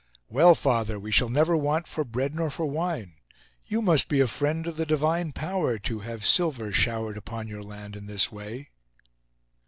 "Well, father, we shall never want for bread nor for wine. You must be a friend of the Divine Power to have silver showered upon your land in this way."